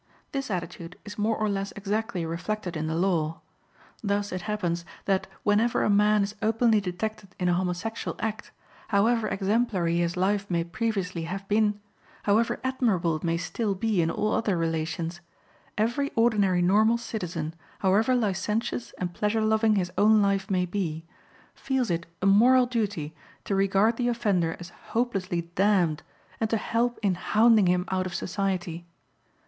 This attitude is more or less exactly reflected in the law. Thus it happens that whenever a man is openly detected in a homosexual act, however exemplary his life may previously have been, however admirable it may still be in all other relations, every ordinary normal citizen, however licentious and pleasure loving his own life may be, feels it a moral duty to regard the offender as hopelessly damned and to help in hounding him out of society.